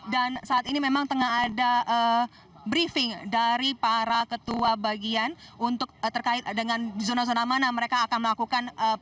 dan saat ini memang tengah ada briefing dari para ketua bagian untuk terkait dengan zona zona mana mereka akan melakukan